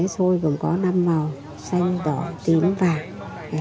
xôi gồm có năm màu xanh đỏ tím vàng